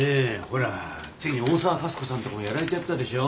ほらついに大沢勝子さんのとこもやられちゃったでしょ？